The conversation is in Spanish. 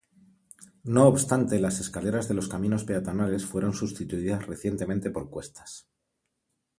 No obstante, las escaleras de los caminos peatonales fueron sustituidas recientemente por cuestas.